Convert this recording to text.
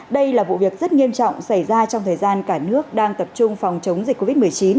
đây là vụ việc rất nghiêm trọng xảy ra trong thời gian cả nước đang tập trung phòng chống dịch covid một mươi chín